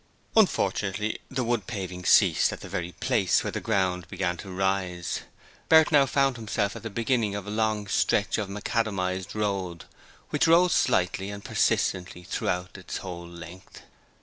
Unfortunately, the wood paving ceased at the very place where the ground began to rise. Bert now found himself at the beginning of a long stretch of macadamized road which rose slightly and persistently throughout its whole length.